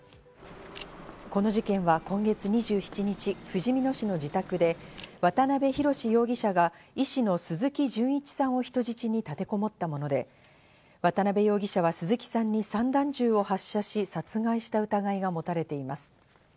この事件は今月２７日、ふじみ野市の自宅で渡辺宏容疑者が医師の鈴木純一さんを人質に立てこもったもので、渡辺容疑者は鈴木さんに散弾銃を発射し殺害した疑いが持たれています。